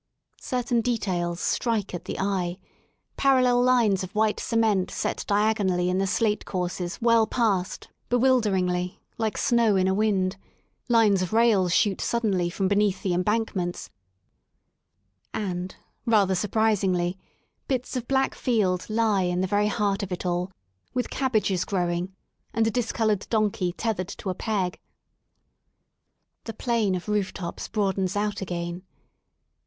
Certain details strike at the eye: parallel lines of white cement set diagonally in the slate courses whirl past, bewilderingly, like snow in a wind ; lines of rails shoot suddenly from beneath the embankments; and, rather surprisingly, bits of black field lie in the very heart of it all, with cab bages growing, and a discoloured donkey tethered to a peg. The plain of roof tops broadensout again.